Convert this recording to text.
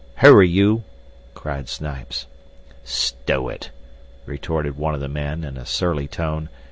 "Hurry, you!" cried Snipes. "Stow it!" retorted one of the men, in a surly tone.